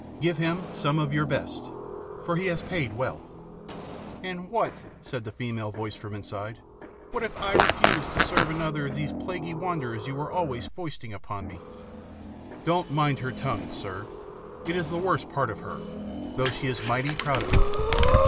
Give him some of your best, for he has paid well." "And what," said a female voice from inside, "what if I refused to serve another of these plaguy wanderers you are always foisting upon me?" "Don't mind her tongue, sir. It's the worst part of her, though she is mighty proud of it.